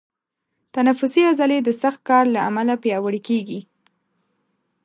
تنفسي عضلې د سخت کار له امله پیاوړي کېږي.